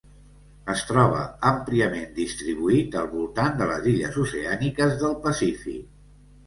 Es troba àmpliament distribuït al voltant de les illes oceàniques del Pacífic.